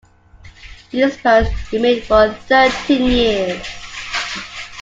In this post he remained for thirteen years.